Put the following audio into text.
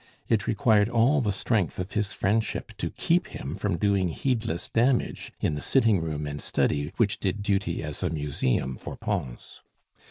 It required all the strength of his friendship to keep him from doing heedless damage in the sitting room and study which did duty as a museum for Pons.